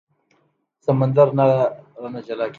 سمندر رانه جلا لکه جانان دی